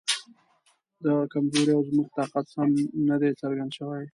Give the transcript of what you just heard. د هغه کمزوري او زموږ طاقت سم نه دی څرګند شوی.